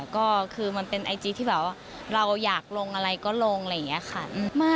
ก็คือมันเป็นไอจีที่แบบว่าเราอยากลงอะไรก็ลงอะไรอย่างนี้ค่ะ